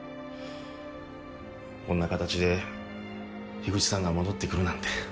こんな形で口さんが戻って来るなんて。